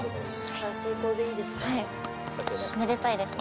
じゃあ成功でいいですか？